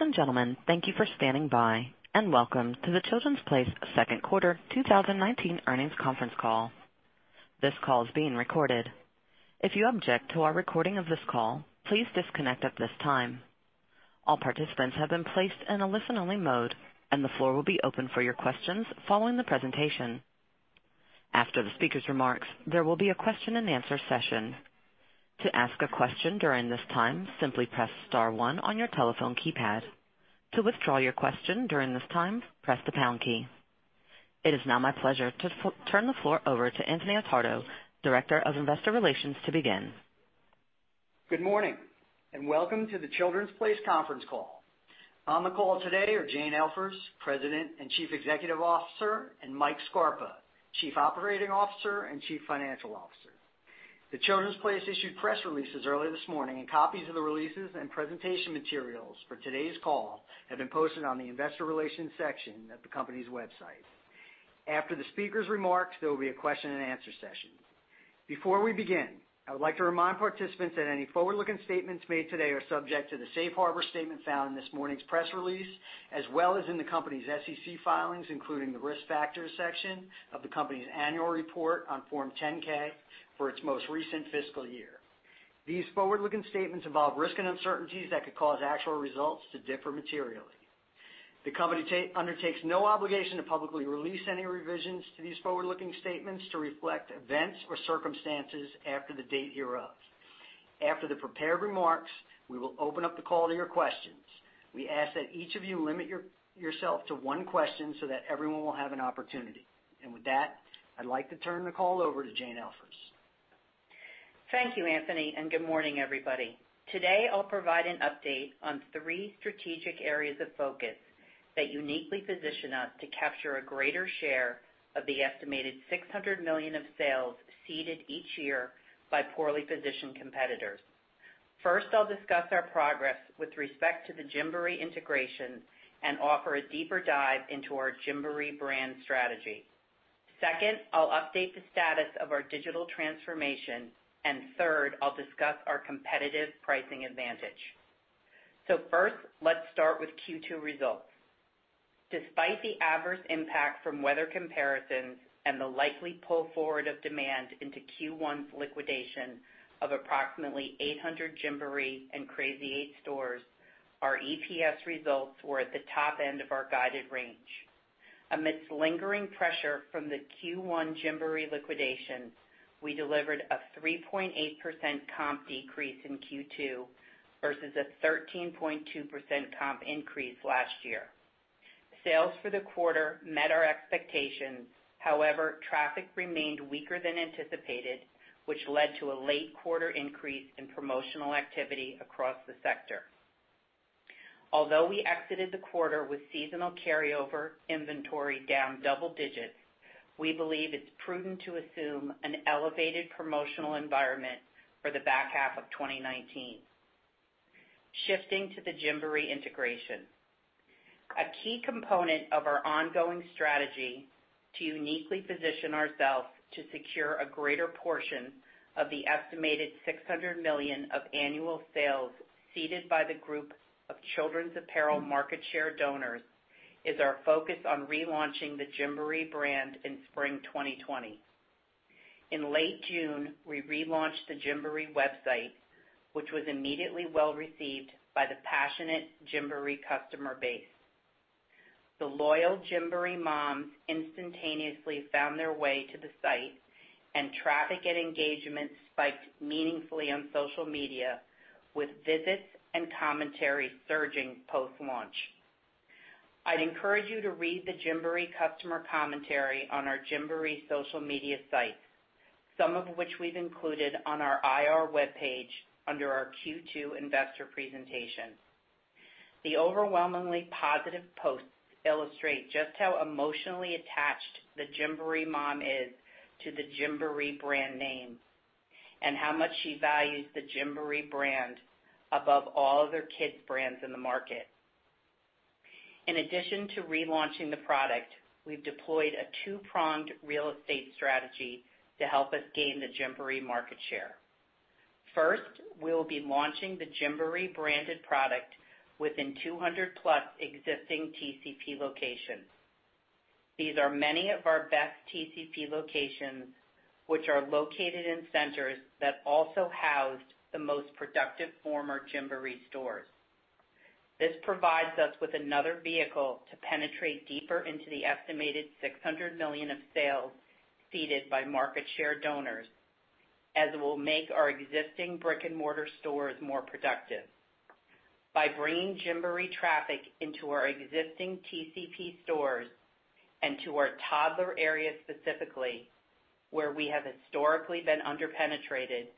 Ladies and gentlemen, thank you for standing by, and welcome to The Children's Place second quarter 2019 earnings conference call. This call is being recorded. If you object to our recording of this call, please disconnect at this time. All participants have been placed in a listen-only mode, and the floor will be open for your questions following the presentation. After the speaker's remarks, there will be a question and answer session. To ask a question during this time, simply press star one on your telephone keypad. To withdraw your question during this time, press the pound key. It is now my pleasure to turn the floor over to Anthony Attardo, Director of Investor Relations, to begin. Good morning. Welcome to The Children's Place conference call. On the call today are Jane Elfers, President and Chief Executive Officer, and Michael Scarpa, Chief Operating Officer and Chief Financial Officer. The Children's Place issued press releases early this morning, and copies of the releases and presentation materials for today's call have been posted on the Investor Relations section of the company's website. After the speaker's remarks, there will be a question and answer session. Before we begin, I would like to remind participants that any forward-looking statements made today are subject to the safe harbor statement found in this morning's press release, as well as in the company's SEC filings, including the Risk Factors section of the company's annual report on Form 10-K for its most recent fiscal year. These forward-looking statements involve risks and uncertainties that could cause actual results to differ materially. The company undertakes no obligation to publicly release any revisions to these forward-looking statements to reflect events or circumstances after the date hereof. After the prepared remarks, we will open up the call to your questions. We ask that each of you limit yourself to one question so that everyone will have an opportunity. With that, I'd like to turn the call over to Jane Elfers. Thank you, Anthony. Good morning, everybody. Today, I'll provide an update on three strategic areas of focus that uniquely position us to capture a greater share of the estimated $600 million of sales ceded each year by poorly positioned competitors. First, I'll discuss our progress with respect to the Gymboree integration and offer a deeper dive into our Gymboree brand strategy. Second, I'll update the status of our digital transformation. Third, I'll discuss our competitive pricing advantage. First, let's start with Q two results. Despite the adverse impact from weather comparisons and the likely pull forward of demand into Q one's liquidation of approximately 800 Gymboree and Crazy 8 stores, our EPS results were at the top end of our guided range. Amidst lingering pressure from the Q1 Gymboree liquidation, we delivered a 3.8% comp decrease in Q2 versus a 13.2% comp increase last year. Sales for the quarter met our expectations. Traffic remained weaker than anticipated, which led to a late quarter increase in promotional activity across the sector. We exited the quarter with seasonal carryover inventory down double digits, we believe it's prudent to assume an elevated promotional environment for the back half of 2019. Shifting to the Gymboree integration. A key component of our ongoing strategy to uniquely position ourselves to secure a greater portion of the estimated $600 million of annual sales ceded by the group of children's apparel market share donors is our focus on relaunching the Gymboree brand in spring 2020. In late June, we relaunched the Gymboree website, which was immediately well received by the passionate Gymboree customer base. The loyal Gymboree moms instantaneously found their way to the site, and traffic and engagement spiked meaningfully on social media, with visits and commentary surging post-launch. I'd encourage you to read the Gymboree customer commentary on our Gymboree social media sites, some of which we've included on our IR webpage under our Q2 investor presentation. The overwhelmingly positive posts illustrate just how emotionally attached the Gymboree mom is to the Gymboree brand name and how much she values the Gymboree brand above all other kids' brands in the market. In addition to relaunching the product, we've deployed a two-pronged real estate strategy to help us gain the Gymboree market share. First, we'll be launching the Gymboree branded product within 200+ existing TCP locations. These are many of our best TCP locations, which are located in centers that also house the most productive former Gymboree stores. This provides us with another vehicle to penetrate deeper into the estimated $600 million of sales ceded by market share donors, as it will make our existing brick and mortar stores more productive. By bringing Gymboree traffic into our existing TCP stores and to our toddler areas specifically, where we have historically been under-penetrated,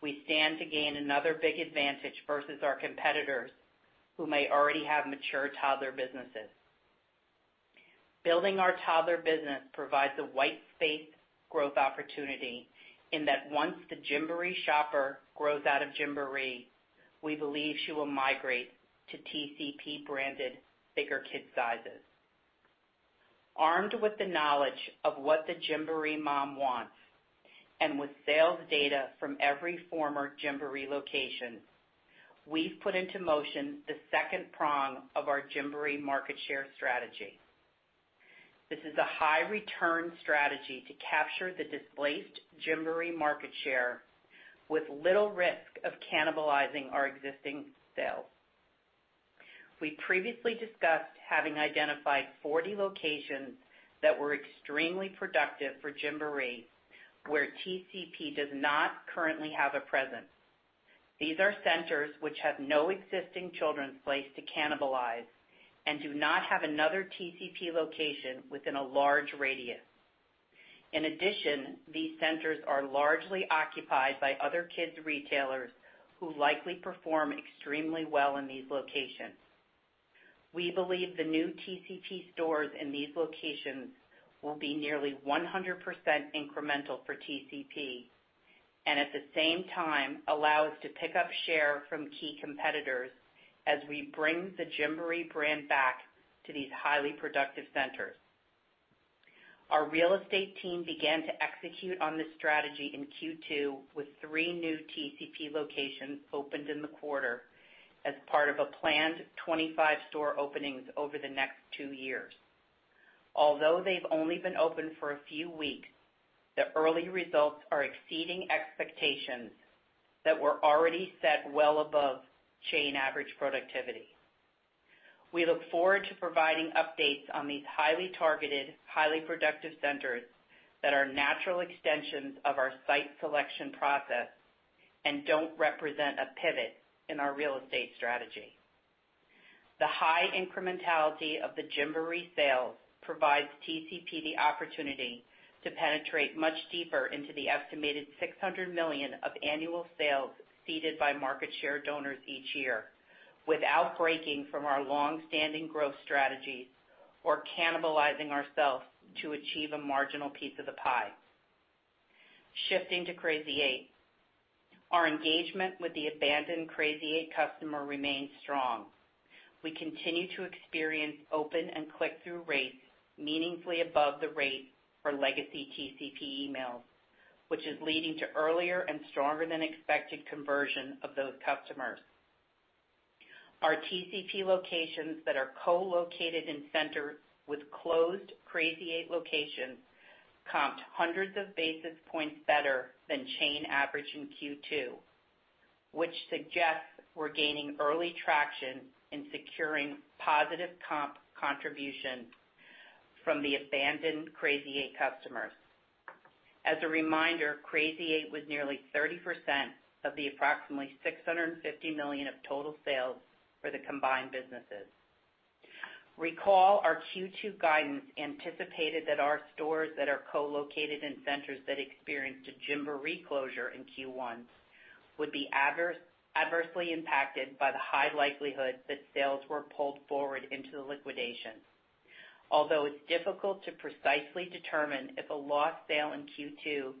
we stand to gain another big advantage versus our competitors who may already have mature toddler businesses. Building our toddler business provides a white space growth opportunity in that once the Gymboree shopper grows out of Gymboree, we believe she will migrate to TCP branded bigger kid sizes. Armed with the knowledge of what the Gymboree mom wants, and with sales data from every former Gymboree location, we've put into motion the second prong of our Gymboree market share strategy. This is a high-return strategy to capture the displaced Gymboree market share with little risk of cannibalizing our existing sales. We previously discussed having identified 40 locations that were extremely productive for Gymboree, where TCP does not currently have a presence. These are centers which have no existing Children's Place to cannibalize and do not have another TCP location within a large radius. In addition, these centers are largely occupied by other kids' retailers who likely perform extremely well in these locations. We believe the new TCP stores in these locations will be nearly 100% incremental for TCP, and at the same time, allow us to pick up share from key competitors as we bring the Gymboree brand back to these highly productive centers. Our real estate team began to execute on this strategy in Q2 with three new TCP locations opened in the quarter as part of a planned 25 store openings over the next two years. Although they've only been open for a few weeks, the early results are exceeding expectations that were already set well above chain average productivity. We look forward to providing updates on these highly targeted, highly productive centers that are natural extensions of our site selection process and don't represent a pivot in our real estate strategy. The high incrementality of the Gymboree sales provides TCP the opportunity to penetrate much deeper into the estimated $600 million of annual sales seeded by market share donors each year, without breaking from our longstanding growth strategies or cannibalizing ourselves to achieve a marginal piece of the pie. Shifting to Crazy 8. Our engagement with the abandoned Crazy 8 customer remains strong. We continue to experience open and click-through rates meaningfully above the rate for legacy TCP emails, which is leading to earlier and stronger than expected conversion of those customers. Our TCP locations that are co-located in centers with closed Crazy 8 locations comped hundreds of basis points better than chain average in Q2, which suggests we're gaining early traction in securing positive comp contribution from the abandoned Crazy 8 customers. As a reminder, Crazy 8 was nearly 30% of the approximately $650 million of total sales for the combined businesses. Recall our Q2 guidance anticipated that our stores that are co-located in centers that experienced a Gymboree closure in Q1 would be adversely impacted by the high likelihood that sales were pulled forward into the liquidation. Although it's difficult to precisely determine if a lost sale in Q2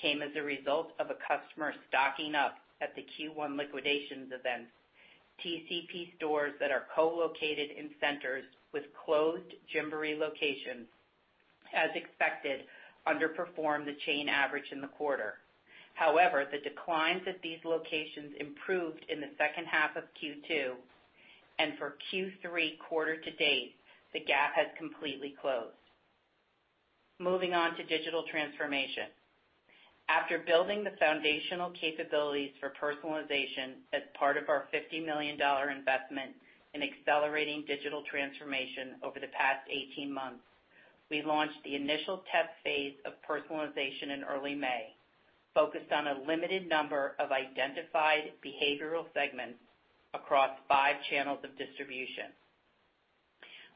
came as a result of a customer stocking up at the Q1 liquidations events, TCP stores that are co-located in centers with closed Gymboree locations, as expected, underperformed the chain average in the quarter. However, the declines at these locations improved in the second half of Q2, and for Q3 quarter to date, the gap has completely closed. Moving on to digital transformation. After building the foundational capabilities for personalization as part of our $50 million investment in accelerating Digital Transformation over the past 18 months, we launched the initial test phase of personalization in early May, focused on a limited number of identified behavioral segments across five channels of distribution.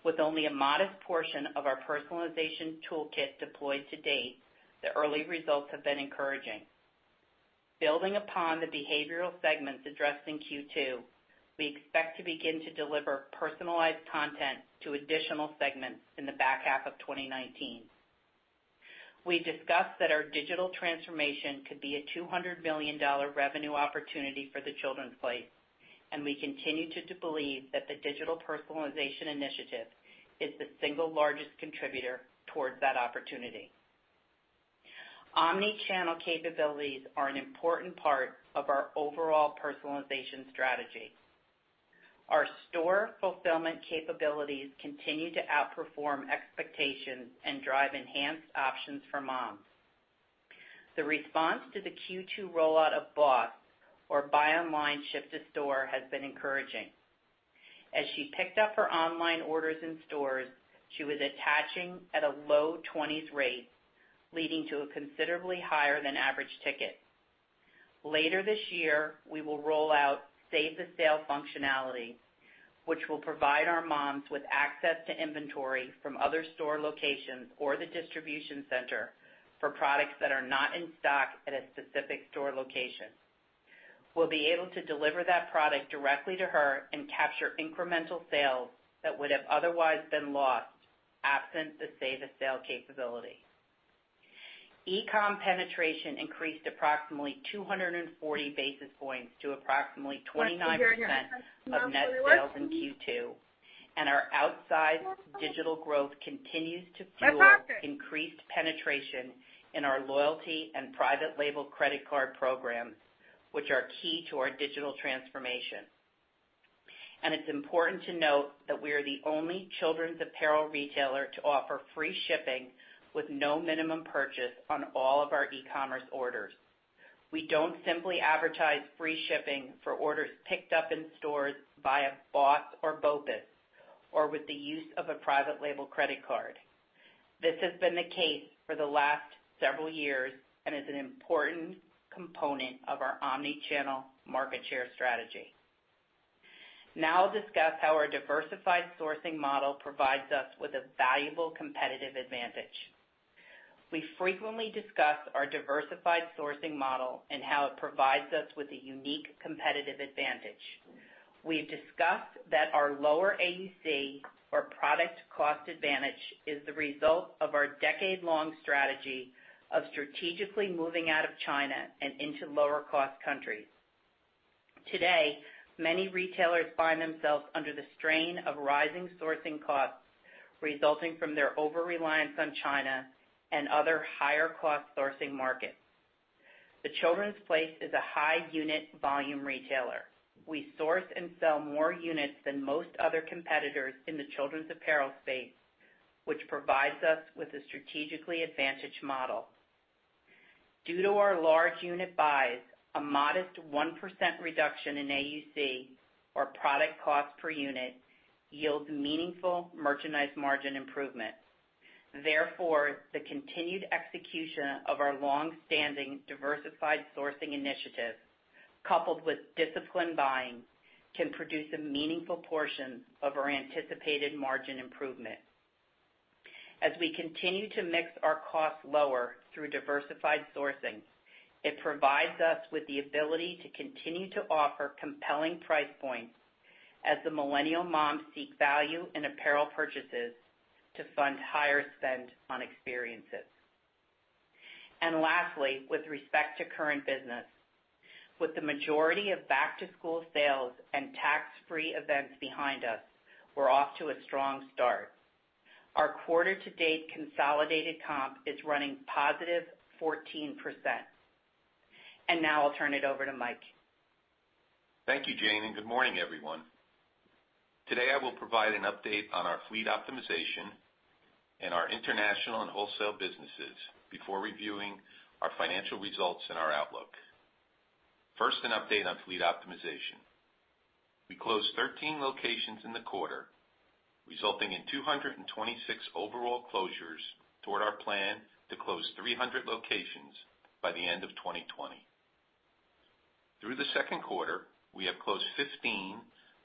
With only a modest portion of our personalization toolkit deployed to date, the early results have been encouraging. Building upon the behavioral segments addressed in Q2, we expect to begin to deliver personalized content to additional segments in the back half of 2019. We discussed that our Digital Transformation could be a $200 million revenue opportunity for The Children's Place, and we continue to believe that the Digital Personalization Initiative is the single largest contributor towards that opportunity. Omnichannel capabilities are an important part of our overall personalization strategy. Our store fulfillment capabilities continue to outperform expectations and drive enhanced options for moms. The response to the Q2 rollout of BOSS or Buy Online Ship to Store, has been encouraging. As she picked up her online orders in stores, she was attaching at a low 20s rate, leading to a considerably higher than average ticket. Later this year, we will roll out Save the Sale functionality, which will provide our moms with access to inventory from other store locations or the distribution center for products that are not in stock at a specific store location. We'll be able to deliver that product directly to her and capture incremental sales that would have otherwise been lost absent the Save the Sale capability. E-com penetration increased approximately 240 basis points to approximately 29% of net sales in Q2. Our outsized digital growth continues to fuel increased penetration in our loyalty and private label credit card programs, which are key to our digital transformation. It's important to note that we are the only children's apparel retailer to offer free shipping with no minimum purchase on all of our e-commerce orders. We don't simply advertise free shipping for orders picked up in stores via BOPUS or BOPIS, or with the use of a private label credit card. This has been the case for the last several years and is an important component of our omni-channel market share strategy. I'll discuss how our diversified sourcing model provides us with a valuable competitive advantage. We frequently discuss our diversified sourcing model and how it provides us with a unique competitive advantage. We have discussed that our lower AUC or product cost advantage is the result of our decade-long strategy of strategically moving out of China and into lower cost countries. Today, many retailers find themselves under the strain of rising sourcing costs resulting from their overreliance on China and other higher cost sourcing markets. The Children’s Place is a high unit volume retailer. We source and sell more units than most other competitors in the children's apparel space, which provides us with a strategically advantaged model. Due to our large unit buys, a modest 1% reduction in AUC or product cost per unit yields meaningful merchandise margin improvement. The continued execution of our longstanding diversified sourcing initiative, coupled with disciplined buying, can produce a meaningful portion of our anticipated margin improvement. As we continue to mix our costs lower through diversified sourcing, it provides us with the ability to continue to offer compelling price points as the millennial moms seek value in apparel purchases to fund higher spend on experiences. Lastly, with respect to current business. With the majority of back-to-school sales and tax-free events behind us, we're off to a strong start. Our quarter to date consolidated comp is running positive 14%. Now I'll turn it over to Mike. Thank you, Jane. Good morning, everyone. Today, I will provide an update on our fleet optimization and our international and wholesale businesses before reviewing our financial results and our outlook. First, an update on fleet optimization. We closed 13 locations in the quarter, resulting in 226 overall closures toward our plan to close 300 locations by the end of 2020. Through the second quarter, we have closed 15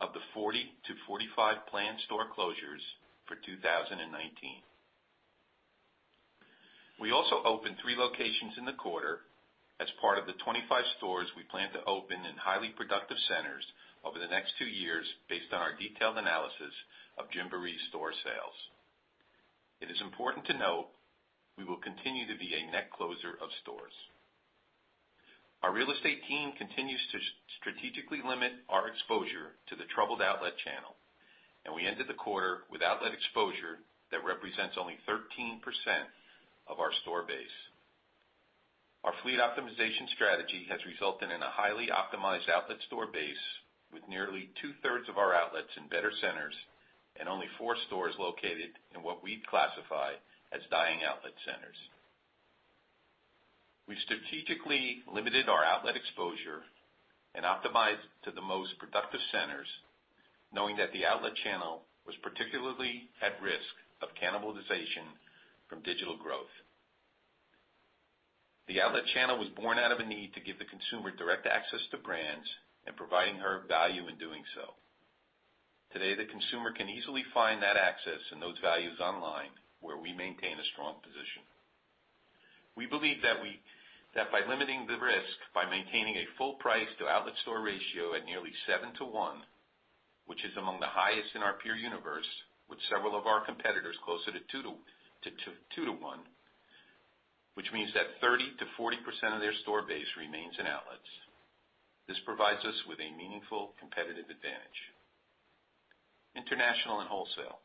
of the 40-45 planned store closures for 2019. We also opened three locations in the quarter as part of the 25 stores we plan to open in highly productive centers over the next two years based on our detailed analysis of Gymboree store sales. It is important to note we will continue to be a net closer of stores. Our real estate team continues to strategically limit our exposure to the troubled outlet channel, and we ended the quarter with outlet exposure that represents only 13% of our store base. Our fleet optimization strategy has resulted in a highly optimized outlet store base with nearly two-thirds of our outlets in better centers and only four stores located in what we'd classify as dying outlet centers. We've strategically limited our outlet exposure and optimized to the most productive centers, knowing that the outlet channel was particularly at risk of cannibalization from digital growth. The outlet channel was born out of a need to give the consumer direct access to brands and providing her value in doing so. Today, the consumer can easily find that access and those values online, where we maintain a strong position. We believe that by limiting the risk by maintaining a full price to outlet store ratio at nearly 7 to 1, which is among the highest in our peer universe, with several of our competitors closer to 2 to 1, which means that 30%-40% of their store base remains in outlets. This provides us with a meaningful competitive advantage. International and wholesale.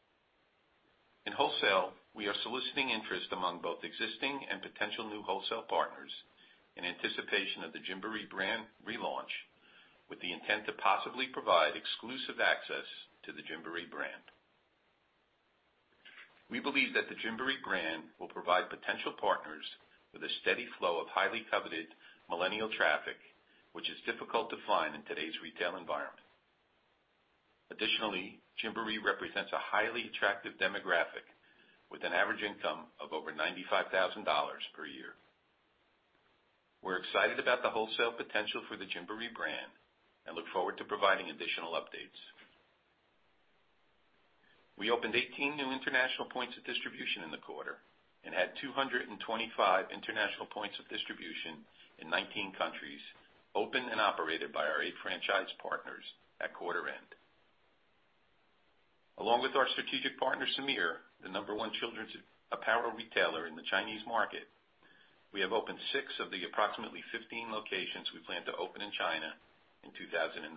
In wholesale, we are soliciting interest among both existing and potential new wholesale partners in anticipation of the Gymboree brand relaunch with the intent to possibly provide exclusive access to the Gymboree brand. We believe that the Gymboree brand will provide potential partners with a steady flow of highly coveted millennial traffic, which is difficult to find in today's retail environment. Additionally, Gymboree represents a highly attractive demographic with an average income of over $95,000 per year. We're excited about the wholesale potential for the Gymboree brand and look forward to providing additional updates. We opened 18 new international points of distribution in the quarter and had 225 international points of distribution in 19 countries, opened and operated by our eight franchise partners at quarter end. Along with our strategic partner, Semir, the number one children's apparel retailer in the Chinese market, we have opened six of the approximately 15 locations we plan to open in China in 2019.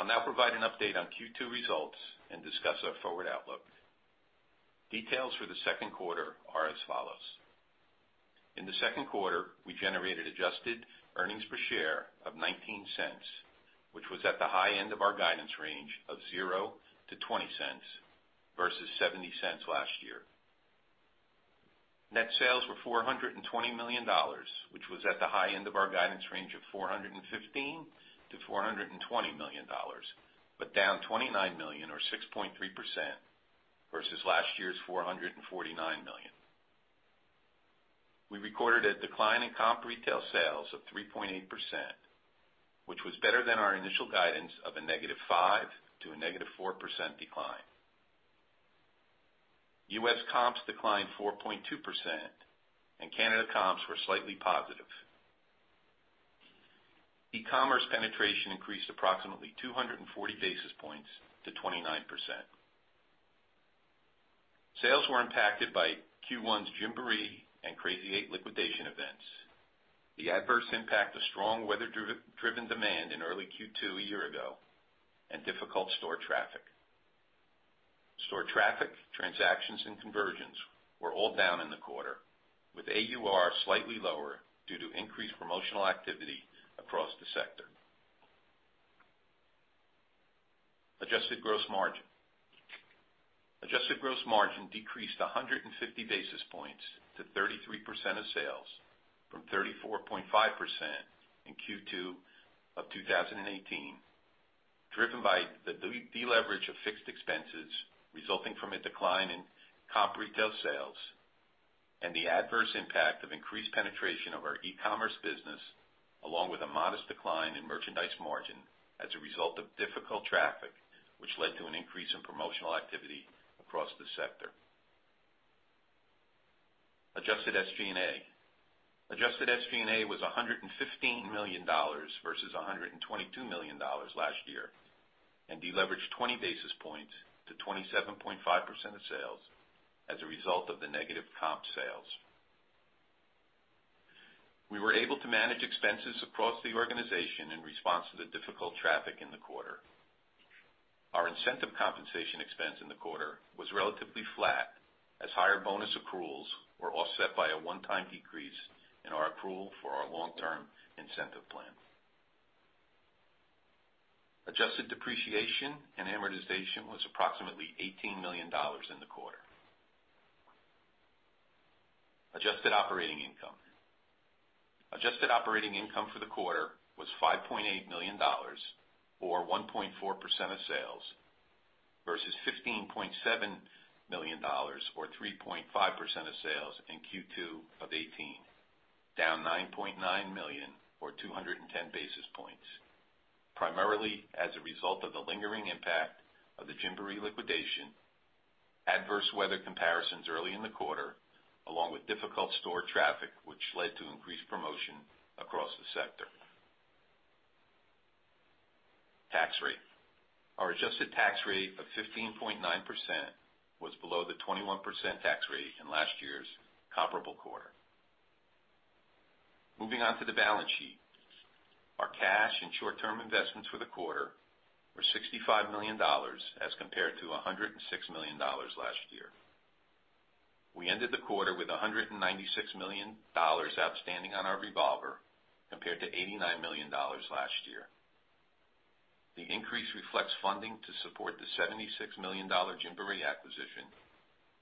I'll now provide an update on Q2 results and discuss our forward outlook. Details for the second quarter are as follows. In the second quarter, we generated adjusted earnings per share of $0.19, which was at the high end of our guidance range of $0.00-$0.20 versus $0.70 last year. Net sales were $420 million, which was at the high end of our guidance range of $415 million-$420 million. Down $29 million or 6.3% versus last year's $449 million. We recorded a decline in comp retail sales of 3.8%, which was better than our initial guidance of a negative 5% to a negative 4% decline. U.S. comps declined 4.2%, and Canada comps were slightly positive. E-commerce penetration increased approximately 240 basis points to 29%. Sales were impacted by Q1's Gymboree and Crazy 8 liquidation events, the adverse impact of strong weather-driven demand in early Q2 a year ago, and difficult store traffic. Store traffic, transactions, and conversions were all down in the quarter, with AUR slightly lower due to increased promotional activity across the sector. Adjusted gross margin. Adjusted gross margin decreased 150 basis points to 33% of sales from 34.5% in Q2 of 2018, driven by the deleverage of fixed expenses resulting from a decline in comp retail sales and the adverse impact of increased penetration of our e-commerce business, along with a modest decline in merchandise margin as a result of difficult traffic, which led to an increase in promotional activity across the sector. Adjusted SG&A. Adjusted SG&A was $115 million versus $122 million last year, and deleveraged 20 basis points to 27.5% of sales as a result of the negative comp sales. We were able to manage expenses across the organization in response to the difficult traffic in the quarter. Our incentive compensation expense in the quarter was relatively flat, as higher bonus accruals were offset by a one-time decrease in our accrual for our long-term incentive plan. Adjusted depreciation and amortization was approximately $18 million in the quarter. Adjusted operating income for the quarter was $5.8 million, or 1.4% of sales versus $15.7 million or 3.5% of sales in Q2 of 2018, down $9.9 million or 210 basis points, primarily as a result of the lingering impact of the Gymboree liquidation, adverse weather comparisons early in the quarter, along with difficult store traffic, which led to increased promotion across the sector. Tax rate. Our adjusted tax rate of 15.9% was below the 21% tax rate in last year's comparable quarter. Moving on to the balance sheet. Our cash and short-term investments for the quarter were $65 million as compared to $106 million last year. We ended the quarter with $196 million outstanding on our revolver, compared to $89 million last year. The increase reflects funding to support the $76 million Gymboree acquisition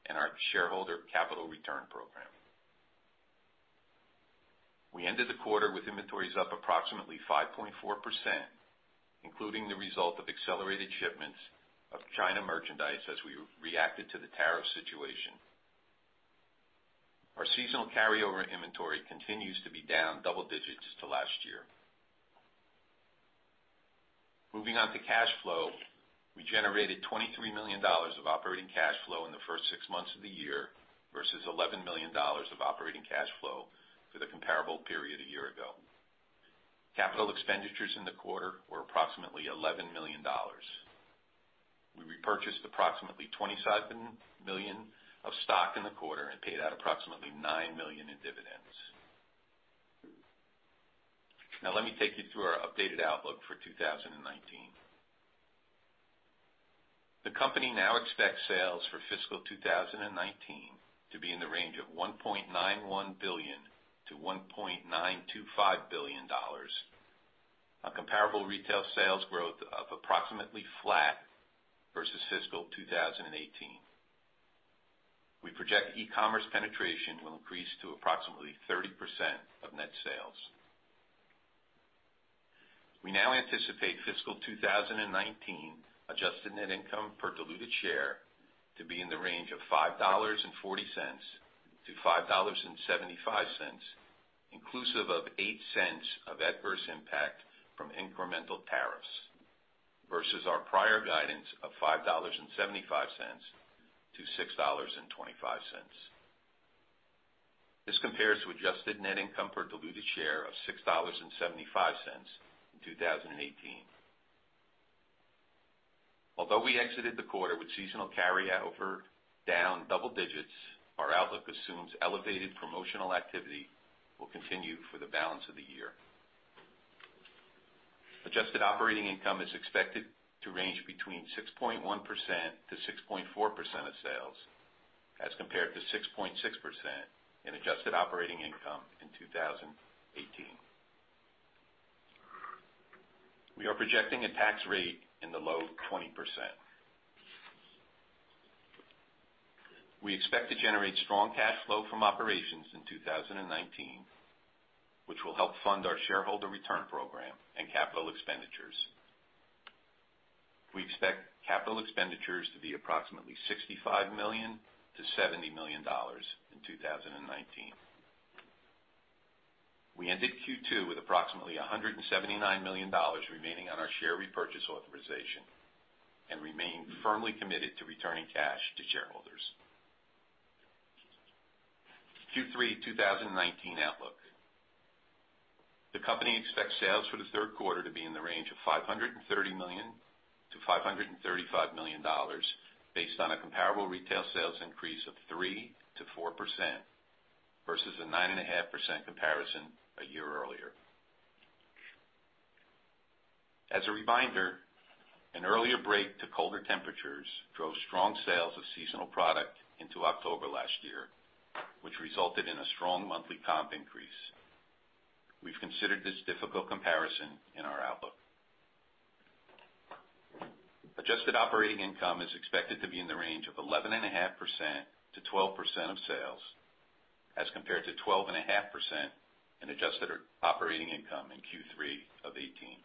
and our shareholder capital return program. We ended the quarter with inventories up approximately 5.4%, including the result of accelerated shipments of China merchandise as we reacted to the tariff situation. Our seasonal carryover inventory continues to be down double digits to last year. Moving on to cash flow. We generated $23 million of operating cash flow in the first six months of the year versus $11 million of operating cash flow for the comparable period a year ago. Capital expenditures in the quarter were approximately $11 million. We repurchased approximately $27 million of stock in the quarter and paid out approximately $9 million in dividends. Let me take you through our updated outlook for 2019. The company now expects sales for fiscal 2019 to be in the range of $1.91 billion-$1.925 billion, a comparable retail sales growth of approximately flat versus fiscal 2018. We project e-commerce penetration will increase to approximately 30% of net sales. We now anticipate fiscal 2019 adjusted net income per diluted share to be in the range of $5.40-$5.75, inclusive of $0.08 of adverse impact from incremental tariffs versus our prior guidance of $5.75-$6.25. This compares to adjusted net income per diluted share of $6.75 in 2018. Although we exited the quarter with seasonal carryover down double digits, our outlook assumes elevated promotional activity will continue for the balance of the year. Adjusted operating income is expected to range between 6.1%-6.4% of sales as compared to 6.6% in adjusted operating income in 2018. We are projecting a tax rate in the low 20%. We expect to generate strong cash flow from operations in 2019, which will help fund our shareholder return program and capital expenditures. We expect capital expenditures to be approximately $65 million to $70 million in 2019. We ended Q2 with approximately $179 million remaining on our share repurchase authorization and remain firmly committed to returning cash to shareholders. Q3 2019 outlook. The company expects sales for the third quarter to be in the range of $530 million to $535 million based on a comparable retail sales increase of 3%-4%, versus a 9.5% comparison a year earlier. As a reminder, an earlier break to colder temperatures drove strong sales of seasonal product into October last year, which resulted in a strong monthly comp increase. We've considered this difficult comparison in our outlook. Adjusted operating income is expected to be in the range of 11.5%-12% of sales as compared to 12.5% in adjusted operating income in Q3 of 2018.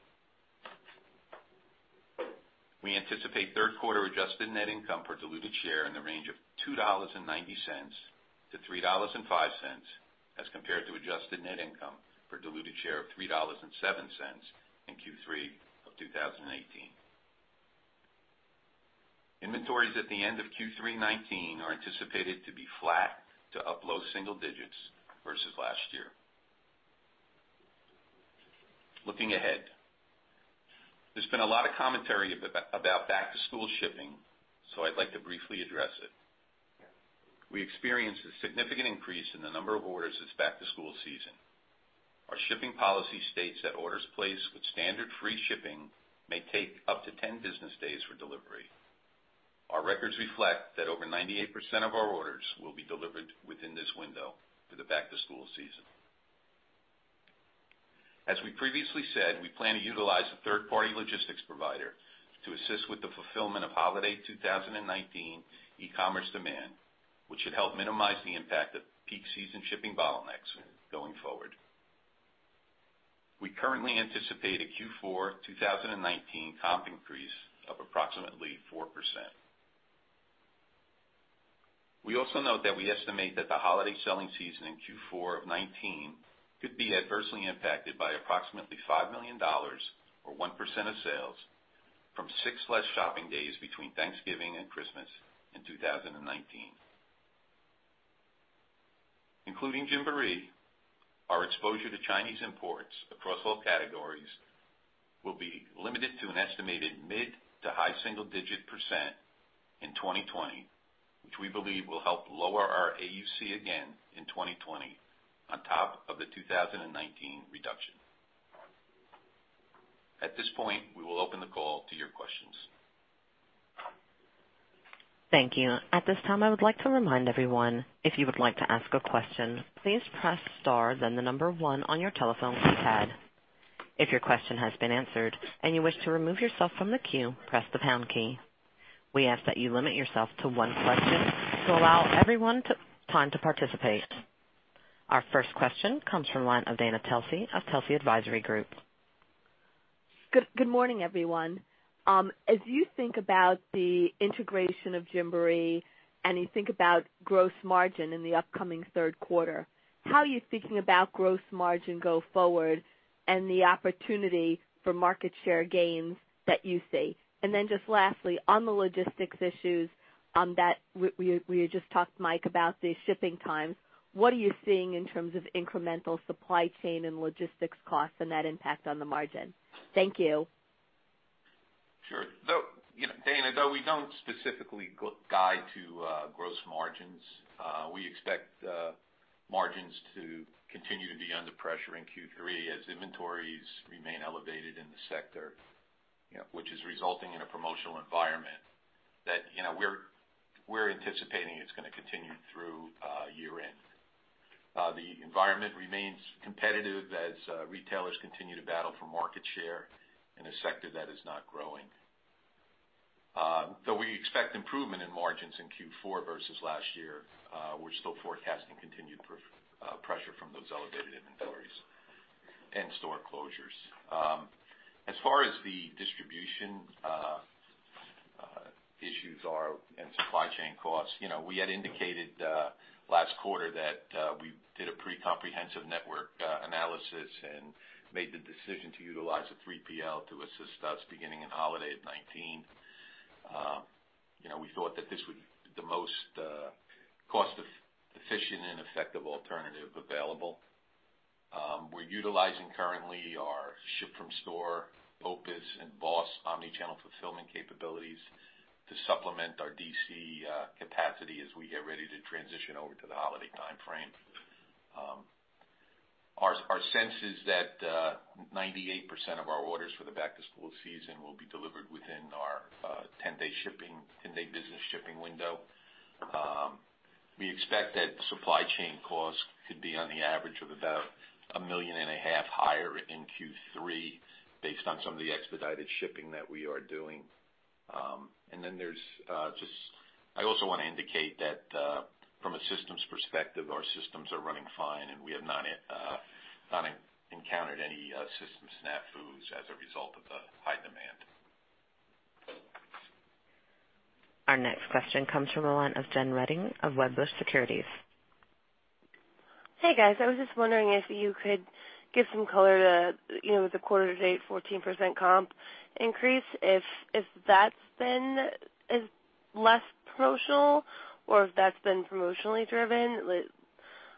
We anticipate third quarter adjusted net income per diluted share in the range of $2.90-$3.05 as compared to adjusted net income per diluted share of $3.07 in Q3 of 2018. Inventories at the end of Q3 2019 are anticipated to be flat to up low single digits versus last year. Looking ahead, there's been a lot of commentary about back-to-school shipping, so I'd like to briefly address it. We experienced a significant increase in the number of orders this back-to-school season. Our shipping policy states that orders placed with standard free shipping may take up to 10 business days for delivery. Our records reflect that over 98% of our orders will be delivered within this window for the back-to-school season. As we previously said, we plan to utilize a third-party logistics provider to assist with the fulfillment of holiday 2019 e-commerce demand, which should help minimize the impact of peak season shipping bottlenecks going forward. We currently anticipate a Q4 2019 comp increase of approximately 4%. We also note that we estimate that the holiday selling season in Q4 of 2019 could be adversely impacted by approximately $5 million or 1% of sales from six less shopping days between Thanksgiving and Christmas in 2019. Including Gymboree, our exposure to Chinese imports across all categories will be limited to an estimated mid to high single digit percent in 2020, which we believe will help lower our AUC again in 2020 on top of the 2019 reduction. At this point, we will open the call to your questions. Thank you. At this time, I would like to remind everyone, if you would like to ask a question, please press star then the number 1 on your telephone keypad. If your question has been answered and you wish to remove yourself from the queue, press the pound key. We ask that you limit yourself to one question to allow everyone time to participate. Our first question comes from the line of Dana Telsey of Telsey Advisory Group. Good morning, everyone. As you think about the integration of Gymboree and you think about gross margin in the upcoming third quarter, how are you thinking about gross margin go forward and the opportunity for market share gains that you see? Then just lastly, on the logistics issues that we just talked, Mike, about the shipping times, what are you seeing in terms of incremental supply chain and logistics costs and that impact on the margin? Thank you. Sure. Dana, though we don't specifically guide to gross margins, we expect margins to continue to be under pressure in Q3 as inventories remain elevated in the sector, which is resulting in a promotional environment that we're anticipating it's going to continue through year-end. The environment remains competitive as retailers continue to battle for market share in a sector that is not growing. Though we expect improvement in margins in Q4 versus last year, we're still forecasting continued pressure from those elevated inventories and store closures. As far as the distribution issues are and supply chain costs, we had indicated last quarter that we did a pretty comprehensive network analysis and made the decision to utilize a 3PL to assist us beginning in holiday of 2019. We thought that this would be the most cost efficient and effective alternative available. We're utilizing currently our ship from store, BOPUS, and BOSS omni-channel fulfillment capabilities to supplement our DC capacity as we get ready to transition over to the holiday timeframe. Our sense is that 98% of our orders for the back-to-school season will be delivered within our 10-day business shipping window. We expect that supply chain costs could be on the average of about a million and a half dollars higher in Q3 based on some of the expedited shipping that we are doing. I also want to indicate that from a systems perspective, our systems are running fine, and we have not encountered any system snafus as a result of the high demand. Our next question comes from the line of Jen Redding of Wedbush Securities. Hey, guys. I was just wondering if you could give some color to the quarter-to-date 14% comp increase, if that's been less promotional or if that's been promotionally driven.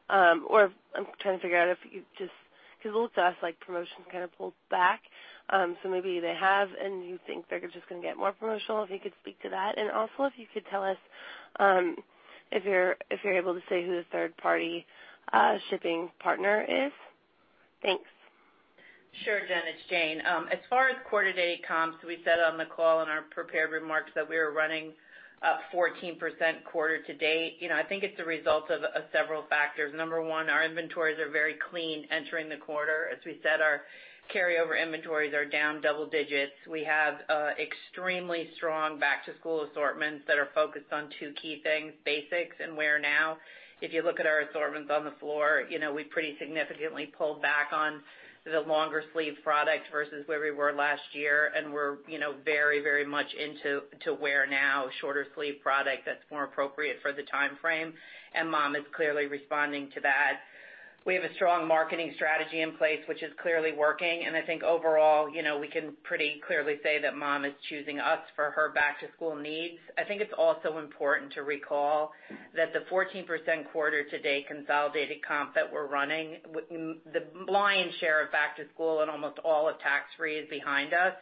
I'm trying to figure out because it looks to us like promotions kind of pulled back. Maybe they have, and you think they're just going to get more promotional, if you could speak to that. Also if you could tell us, if you're able to say who the third party shipping partner is. Thanks. Sure, Jen, it's Jane. As far as quarter to date comps, we said on the call in our prepared remarks that we are running up 14% quarter to date. I think it's a result of several factors. Number one, our inventories are very clean entering the quarter. As we said, our carryover inventories are down double digits. We have extremely strong back-to-school assortments that are focused on two key things, basics and wear now. If you look at our assortments on the floor, we pretty significantly pulled back on the longer sleeve product versus where we were last year, and we're very much into wear now, shorter sleeve product that's more appropriate for the timeframe, and mom is clearly responding to that. We have a strong marketing strategy in place, which is clearly working. I think overall, we can pretty clearly say that mom is choosing us for her back-to-school needs. I think it's also important to recall that the 14% quarter to date consolidated comp that we're running, the lion's share of back to school and almost all of tax-free is behind us.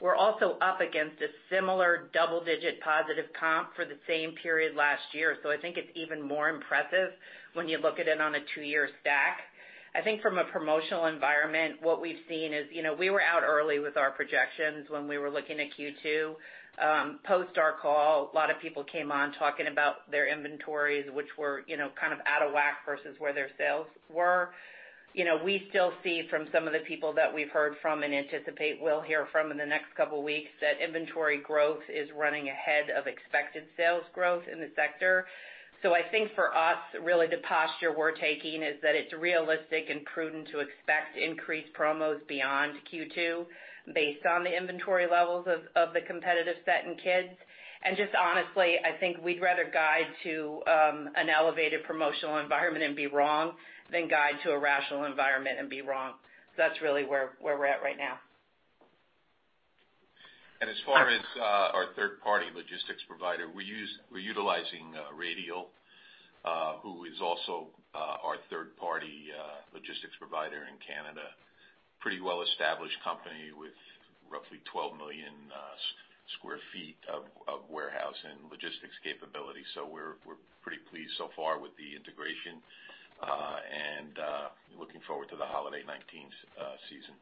We're also up against a similar double-digit positive comp for the same period last year. I think it's even more impressive when you look at it on a two-year stack. I think from a promotional environment, what we've seen is, we were out early with our projections when we were looking at Q2. Post our call, a lot of people came on talking about their inventories, which were out of whack versus where their sales were. We still see from some of the people that we've heard from and anticipate we'll hear from in the next couple of weeks, that inventory growth is running ahead of expected sales growth in the sector. I think for us, really the posture we're taking is that it's realistic and prudent to expect increased promos beyond Q2 based on the inventory levels of the competitive set in kids. Just honestly, I think we'd rather guide to an elevated promotional environment and be wrong than guide to a rational environment and be wrong. That's really where we're at right now. As far as our third party logistics provider, we're utilizing Radial, who is also our third party logistics provider in Canada. Pretty well established company with roughly 12 million sq ft of warehouse and logistics capability. We're pretty pleased so far with the integration, and looking forward to the holiday 2019 season.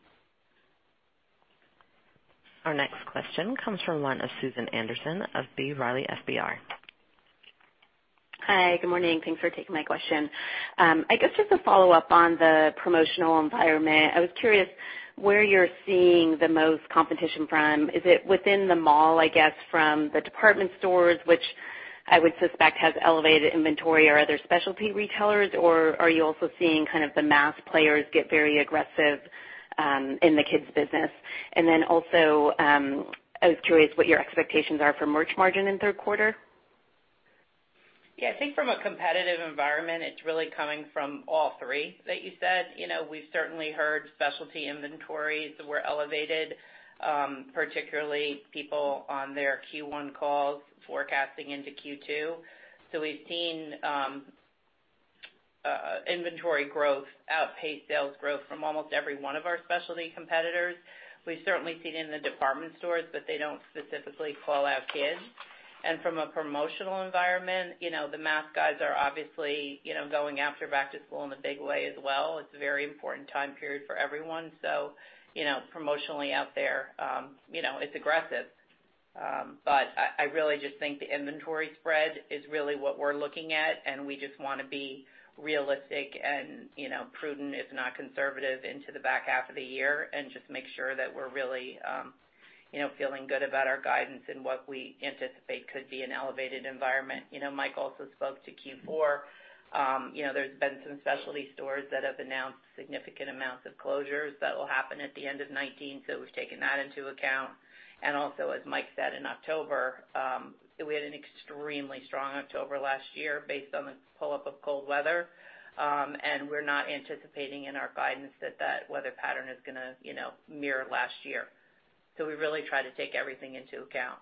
Our next question comes from the line of Susan Anderson of B. Riley FBR. Hi, good morning. Thanks for taking my question. I guess just a follow-up on the promotional environment. I was curious where you're seeing the most competition from. Is it within the mall, I guess, from the department stores, which I would suspect has elevated inventory or other specialty retailers, or are you also seeing the mass players get very aggressive in the kids business? Also, I was curious what your expectations are for merch margin in third quarter. Yeah, I think from a competitive environment, it's really coming from all three that you said. We've certainly heard specialty inventories were elevated, particularly people on their Q1 calls forecasting into Q2. We've seen inventory growth outpace sales growth from almost every one of our specialty competitors. We've certainly seen it in the department stores, they don't specifically call out kids. From a promotional environment, the mass guys are obviously going after back to school in a big way as well. It's a very important time period for everyone. Promotionally out there, it's aggressive. I really just think the inventory spread is really what we're looking at, and we just want to be realistic and prudent, if not conservative, into the back half of the year and just make sure that we're really feeling good about our guidance and what we anticipate could be an elevated environment. Mike also spoke to Q4. There's been some specialty stores that have announced significant amounts of closures that will happen at the end of 2019. We've taken that into account. As Mike said in October, we had an extremely strong October last year based on the pull-up of cold weather, and we're not anticipating in our guidance that weather pattern is going to mirror last year. We really try to take everything into account.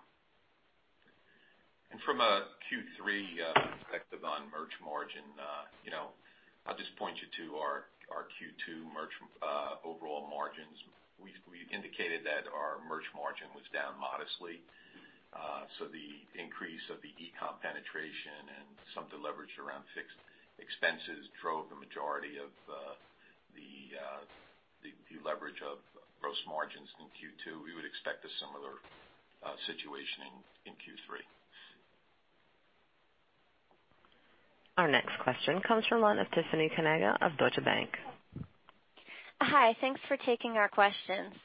From a Q3 perspective on merch margin, I'll just point you to our Q2 merch overall margins. We indicated that our merch margin was down modestly. The increase of the e-com penetration and some deleverage around fixed expenses drove the majority of the leverage of gross margins in Q2. We would expect a similar situation in Q3. Our next question comes from the line of Tiffany Kanaga of Deutsche Bank. Hi. Thanks for taking our questions.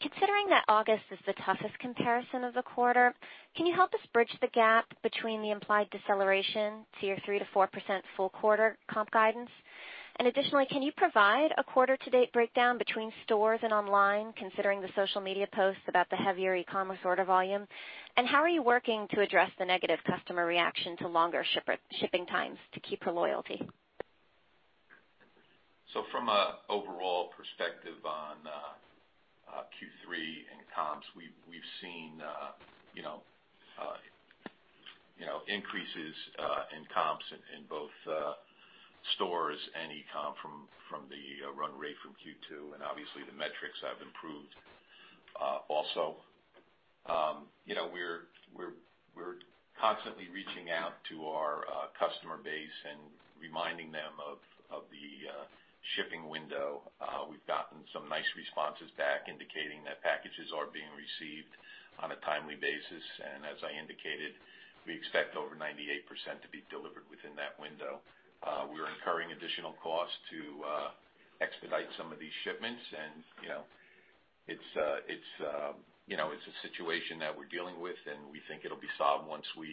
Considering that August is the toughest comparison of the quarter, can you help us bridge the gap between the implied deceleration to your 3%-4% full quarter comp guidance? Additionally, can you provide a quarter to date breakdown between stores and online, considering the social media posts about the heavier e-commerce order volume? How are you working to address the negative customer reaction to longer shipping times to keep the loyalty? From an overall perspective on Q3 and comps, we've seen increases in comps in both stores and e-com from the run rate from Q2. Obviously, the metrics have improved. We're constantly reaching out to our customer base and reminding them of the shipping window. We've gotten some nice responses back indicating that packages are being received on a timely basis. As I indicated, we expect over 98% to be delivered within that window. We are incurring additional costs to expedite some of these shipments and it's a situation that we're dealing with, and we think it'll be solved once we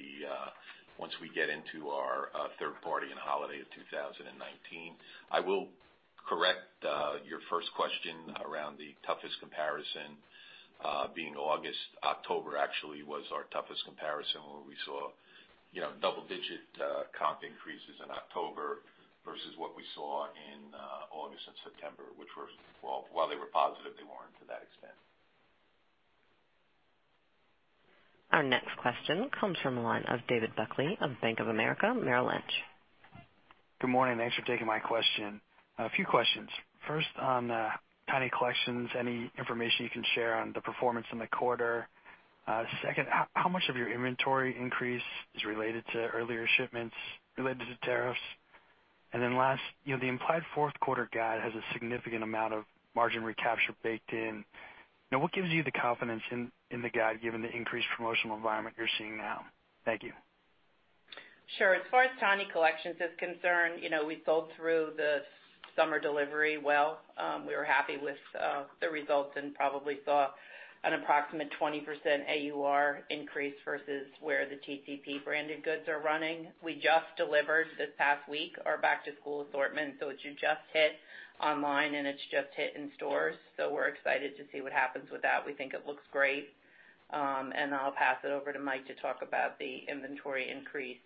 get into our third party and holiday of 2019. I will correct your first question around the toughest comparison being August. October actually was our toughest comparison, where we saw double digit comp increases in October versus what we saw in August and September, which while they were positive, they weren't to that extent. Our next question comes from the line of David Buckley of Bank of America Merrill Lynch. Good morning. Thanks for taking my question. A few questions. On Tiny Collections, any information you can share on the performance in the quarter? How much of your inventory increase is related to earlier shipments related to tariffs? Last, the implied fourth quarter guide has a significant amount of margin recapture baked in. What gives you the confidence in the guide, given the increased promotional environment you're seeing now? Thank you. Sure. As far as TINY COLLECTIONS is concerned, we sold through the summer delivery well. We were happy with the results and probably saw an approximate 20% AUR increase versus where the TCP branded goods are running. We just delivered this past week our back to school assortment. It should just hit online, and it's just hit in stores. We're excited to see what happens with that. We think it looks great. I'll pass it over to Mike to talk about the inventory increase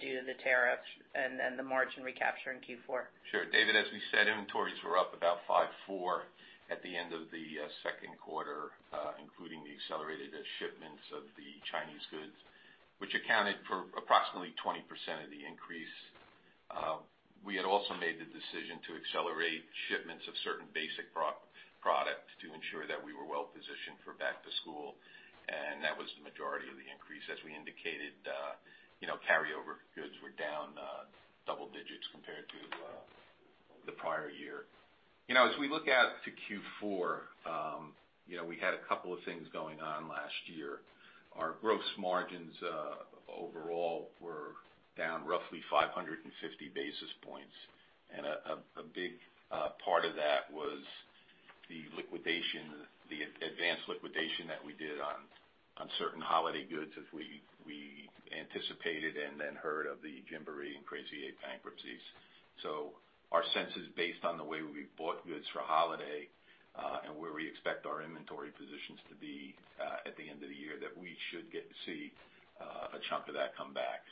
due to the tariffs and the margin recapture in Q4. Sure. David, as we said, inventories were up about 5.4% at the end of the second quarter, including the accelerated shipments of the Chinese goods, which accounted for approximately 20% of the increase. We had also made the decision to accelerate shipments of certain basic product to ensure that we were well positioned for back to school, and that was the majority of the increase. As we indicated, carryover goods were down double digits compared to the prior year. As we look out to Q4, we had a couple of things going on last year. Our gross margins, overall, were down roughly 550 basis points. A big part of that was the advanced liquidation that we did on certain holiday goods as we anticipated and then heard of the Gymboree and Crazy 8 bankruptcies. Our sense is based on the way we bought goods for holiday, and where we expect our inventory positions to be, at the end of the year, that we should get to see a chunk of that come back.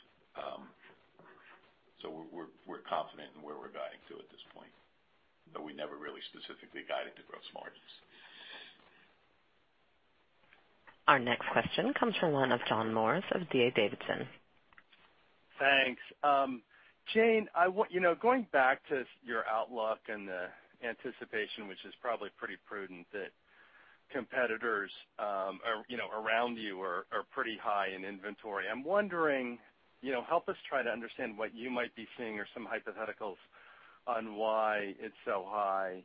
We're confident in where we're guiding to at this point, but we never really specifically guided to gross margins. Our next question comes from the line of John Morris of D.A. Davidson. Thanks. Jane, going back to your outlook and the anticipation, which is probably pretty prudent, that competitors around you are pretty high in inventory. I'm wondering, help us try to understand what you might be seeing or some hypotheticals on why it's so high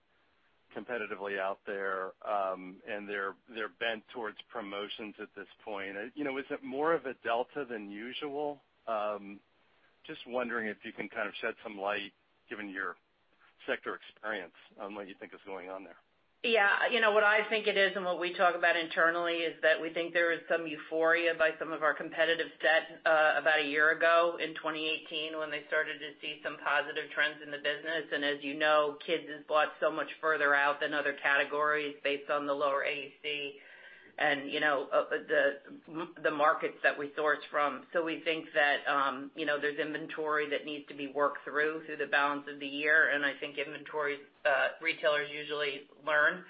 competitively out there. They're bent towards promotions at this point. Is it more of a delta than usual? Just wondering if you can kind of shed some light, given your sector experience, on what you think is going on there. What I think it is, and what we talk about internally is that we think there is some euphoria by some of our competitive set, about a year ago in 2018 when they started to see some positive trends in the business. As you know, Kids has bought so much further out than other categories based on the lower AUC and the markets that we source from. We think that there's inventory that needs to be worked through the balance of the year, and I think inventory retailers usually learn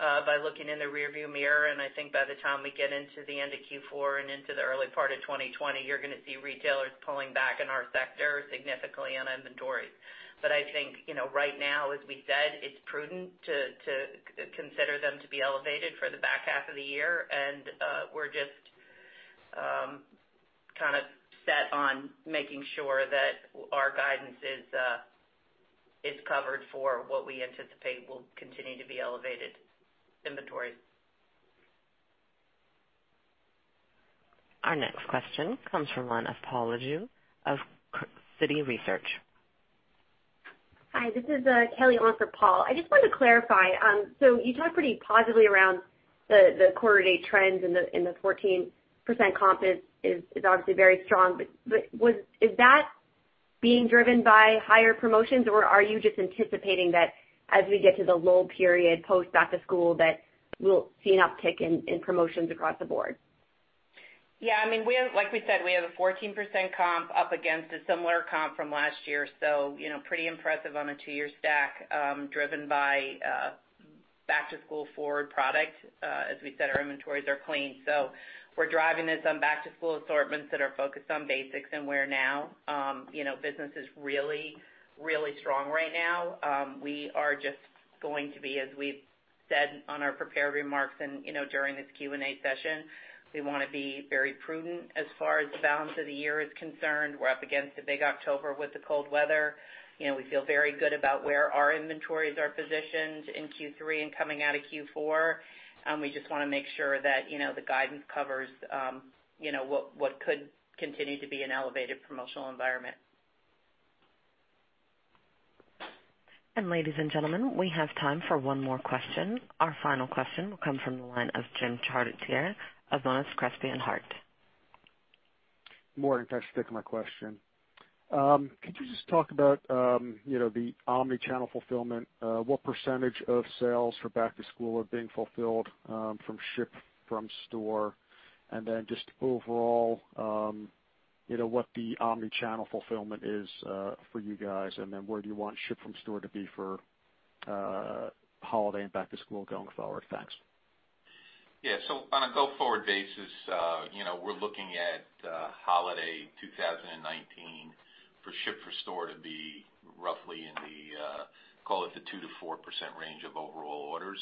by looking in the rearview mirror. I think by the time we get into the end of Q4 and into the early part of 2020, you're going to see retailers pulling back in our sector significantly on inventory. I think, right now, as we said, it's prudent to consider them to be elevated for the back half of the year. We're just kind of set on making sure that our guidance is covered for what we anticipate will continue to be elevated inventories. Our next question comes from the line of Paul Lejuez of Citi Research. Hi, this is Kelly on for Paul. I just wanted to clarify. You talked pretty positively around the quarter date trends and the 14% comp is obviously very strong. Is that being driven by higher promotions or are you just anticipating that as we get to the lull period post back to school, that we'll see an uptick in promotions across the board? Yeah, like we said, we have a 14% comp up against a similar comp from last year. Pretty impressive on a two-year stack, driven by back to school forward product. As we said, our inventories are clean. We're driving this on back to school assortments that are focused on basics and business is really, really strong right now. We are just going to be, as we've said on our prepared remarks and during this Q&A session, we want to be very prudent as far as the balance of the year is concerned. We're up against a big October with the cold weather. We feel very good about where our inventories are positioned in Q3 and coming out of Q4. We just want to make sure that the guidance covers what could continue to be an elevated promotional environment. Ladies and gentlemen, we have time for one more question. Our final question will come from the line of Jim Chartier of Monness, Crespi and Hardt. Morning, thanks for taking my question. Could you just talk about the omni-channel fulfillment? What percentage of sales for back to school are being fulfilled from ship from store? Just overall, what the omni-channel fulfillment is for you guys, where do you want ship from store to be for holiday and back to school going forward? Thanks. Yeah. On a go forward basis, we're looking at holiday 2019 for ship from store to be roughly in the, call it, the 2%-4% range of overall orders.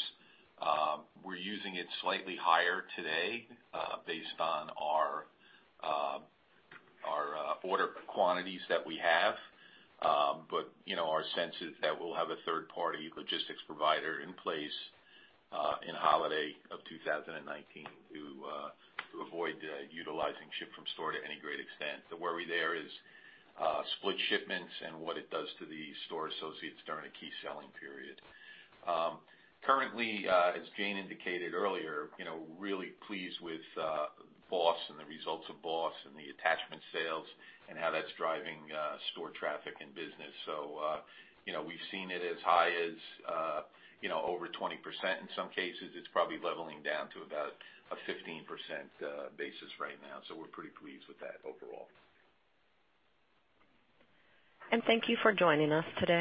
We're using it slightly higher today, based on our order quantities that we have. Our sense is that we'll have a third party logistics provider in place in holiday of 2019 to avoid utilizing ship from store to any great extent. The worry there is split shipments and what it does to the store associates during a key selling period. Currently, as Jane indicated earlier, really pleased with BOPUS and the results of BOPUS and the attachment sales and how that's driving store traffic and business. We've seen it as high as over 20%. In some cases, it's probably leveling down to about a 15% basis right now. We're pretty pleased with that overall. Thank you for joining us today.